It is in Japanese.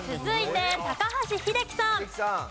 続いて高橋英樹さん。